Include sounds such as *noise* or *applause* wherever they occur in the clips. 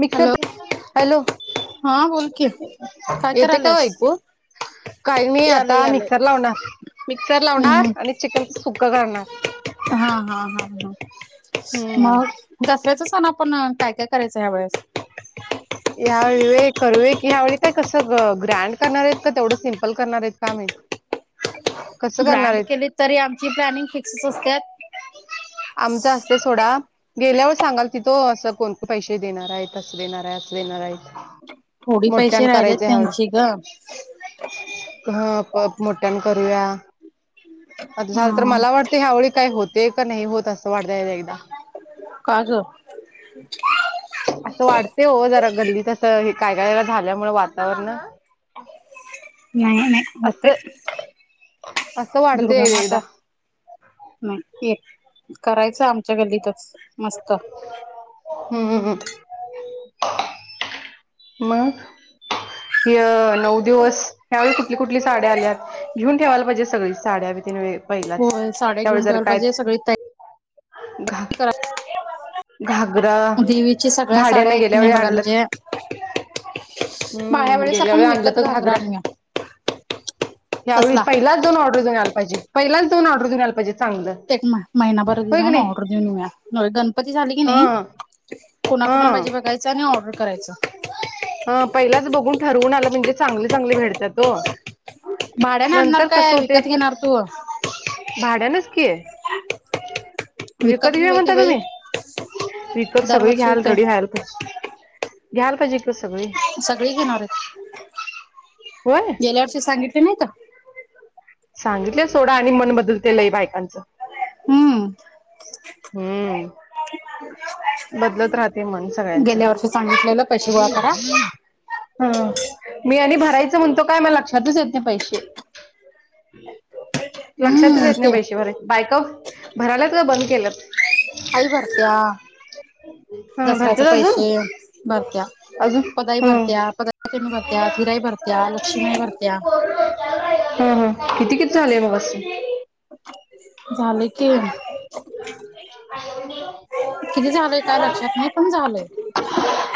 Mixer hello hello हा बोल की काय येते का करायल्यास? ऐकू काही नाही यालय आता यालय. मिक्सर लावणार मिक्सर हम्म लावणार आणि चिकनच सुका करणार हा हा हा ह हम्म मग दसऱ्याच सण आपण काय काय करायचं यावेळेस हवे करूय की ह्यावेळी काय कसं ग्रँड करणार आहेत का तेवढं सिम्पल करणार आहेत काय माहित कसं करणार ग्रँड आहेत केली तरी आमची प्लॅनिंग फिक्सच असते आमच असते सोडा गेल्यावर सांगाल तिथो असं कोणते पैसे देणार आहेत असं देणार आहे असं देणार आहेत थोडे पैसे मोठ्यान राहिले त्यांचे ग हप मटन करूया आता झालं तर हा मला वाटतं ह्या ळी काही होते का नाही होत असं वाटत एक-एकदा. का ग? हम् असं वाटते हो जरा गल्लीत असं हे काय काय झाल्यामुळं वातावरणं *inaudible* नाय नाय असं होतंय असं वाढतंय एकदा दुर्गामाता एकदा नाय ते करायचं आमच्या गल्लीतच मस्त हम्म हम्म हम्म. मग य नऊ दिवस ह्यावेळी कुठली कुठली साड्या आल्यात घेऊन ठेवायला पाहिजे सगळी साड्या न ते पहिलाच होय साड्या ह्यावेळे घेऊन जर ठेवायला काय पाहिजे सगळी तयारी घा. करा घागरा देवीची सगळ्या साड्या भाड्याने आहेत की नाही गेल्यावेळी बघायला आणला. पाहिजे. बाया हम्म वेळेस आपण गेल्यावेळी आणलं विकत तर घागरा. आणूया. यावेळी तसला पहिलाच जाऊन ऑर्डर देऊन यायला पाहिजे, पहिलाच जाऊन ऑर्डर देऊन यायला पाहिजे. चांगलं ते एक म महिनाभर आधी होय की जाऊन नाही ऑर्डर देऊन येऊया, होय गणपती झाले की हा नाही कुणाकुणाला हा पाहिजे बघायचं आणि ऑर्डर करायचं. अ पहिलाच बघून ठरवून आलं म्हणजे चांगले चांगले भेडतात ओ भाड्याने आणणारं नंतर काय, विकत घेणार तू? भाड्यानचं की. *inaudible* विकत घे घेऊया की म्हणता बाई तुम्ही, विकत सगळी दरवर्षी घ्याल होतय रीडी *unintelligible* तर घ्यायला पाहिजे की ओ सगळी. सगळी घेणार आहेत होय गेल्यावर्षी सांगितले नाय का? सांगितले सोडा आणि मन बदलते लई बायकांचं. हम्म हम्म. बदलत राहते मन गेल्या सगळ्यांचं. वर्षी सांगितलेलं पैसे गोळा करा हां मी आणि भरायचो म्हणतो काय म लक्षातच येतं नाय पैसे. लक्षातच हम्म येत नाय ते पैसे भराय, बायका भरायल्यात का बंद केल्यात? काय भरत्या? ह दसऱ्याचे भरतेत अजून पैसे भरत्या. अजून पदाई ह भरत्या, पद *unintelligible* भरत्या, हा हिराई भरत्या, लक्ष्मीयाई भरत्या. हा हा किती, किती झाले मग असं? झालंय की. *unintelligible* *inaudible* किती झालंय काय लक्षात नाही पण झालंय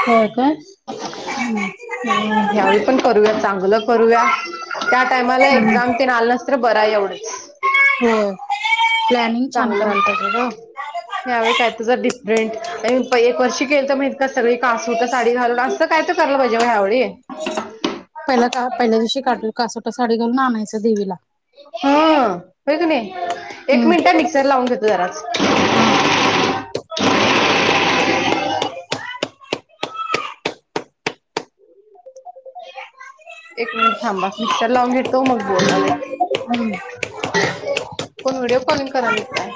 होय काय हम्म. हम्म ह्यावेळी पण करूया, चांगलं करूया. त्या टायमाला हम्म एक्झाम तेन आल नसतं तर बरंय एवढंच. हो प्लॅनिंग छान चांगलं करायल पाहिजे गं. यावेळी काय तुझा डिफरेंट आणि प एक वर्षी केलंत माहि सगळी कासूटा साडी घालून असं काय तर करायला पाहिजे ओ ह्यावेळी पहिला का पहिल्या दिवशी काटू कासोटा साडी घालून आणायचं देवीला. हा होय का नाय एक हम्म मिनटं मिक्सर लावून घेतो जराचं. हा एक मिनटं थांबा मिक्सर लावून घेतो मग बोलाले. हम्म. *inaudible* कोण व्हिडिओ कॉलिंग करायले की काय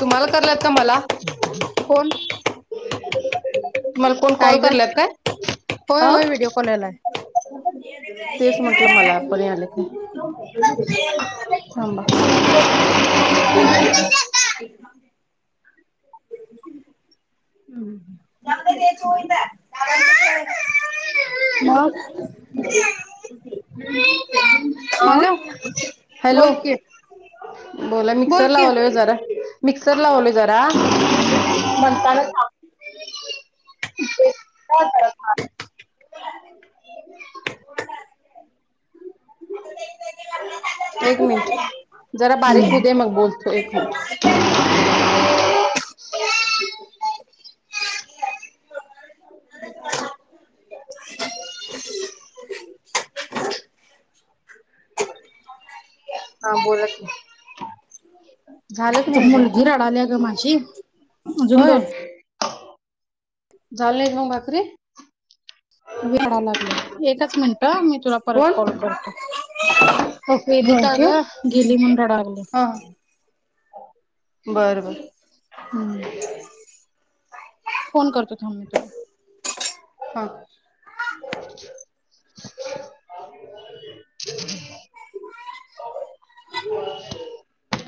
तुम्हाला करालेत की मला? *unintelligible* *inaudible* कोण तुम्हाला कोण काय कॉल ग करालेत काय? होय अ. होय व्हिडिओ कॉल यालाय तेच म्हटलं मला पणे आले ते *unintelligible* थांबा *unintelligible* *unintelligible* हम्म हम *unintelligible* मग अ हॅलो हॅलो बोल कि बोला मिक्सर लावालोय ओ जरा मिक्सर लावायलोय जरा हम्म म्हणताना जरा. *inaudible* *unintelligible* एक मिनिट जरा बारीक होऊ दे मग बोलतो एक मिनिट हा बोला की झालं की आता नाही अजून मुलगी रडाल्या ग माझी अजून होय दोन झालं मग भाकरीे? *inaudible* रडा लागल्या एकच मिनट मी तुला परत कोण कॉल करतो हो वेदिका ठेव ग गेली म्हणून रडा लागल्या हा बर बर हम्म फोन करतो थांब मी तुला हा *unintelligible*